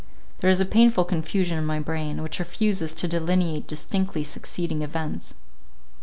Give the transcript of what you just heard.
There is a painful confusion in my brain, which refuses to delineate distinctly succeeding events.